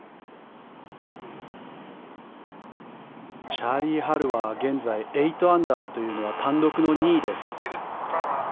チャーリー・ハルは現在、８アンダーというのは単独の２位です。